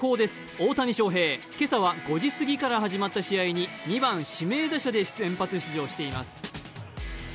大谷翔平、今朝は５時過ぎから始まった試合に２番・指名打者で先発出場しています。